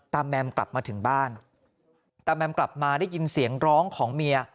แมมกลับมาถึงบ้านตาแมมกลับมาได้ยินเสียงร้องของเมีย